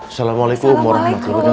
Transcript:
assalamualaikum warahmatullahi wabarakatuh